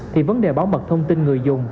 thì vấn đề bảo mật thông tin người dùng